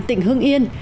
tỉnh hương yên